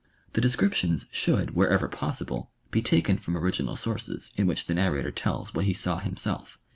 The descriptions should wher ever possible be taken from original sources, in which the narra tor tells what he saw himself.